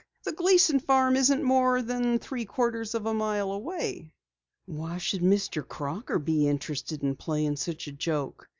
The Gleason farm isn't more than three quarters of a mile away." "Why should Mr. Crocker be interested in playing such a joke?"